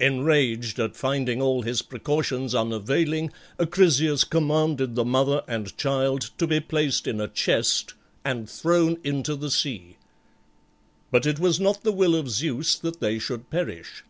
Enraged at finding all his precautions unavailing, Acrisius commanded the mother and child to be placed in a chest and thrown into the sea. But it was not the will of Zeus that they should perish.